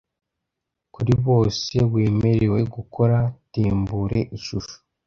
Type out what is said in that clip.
kuri bose wemerewe gukora tembure ishusho